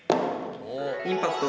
「インパクト」